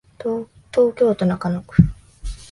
東京都中野区